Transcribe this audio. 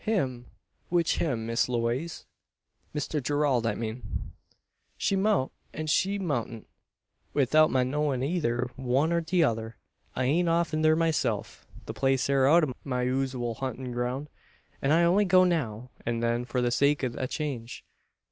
"Him! Which him, Miss Lewaze?" "Mr Gerald, I mean." "She mout, an she moutn't 'ithout my knowin' eyther one or the tother. I ain't often thur myself. The place air out o' my usooal huntin' ground, an I only go now an then for the sake o' a change.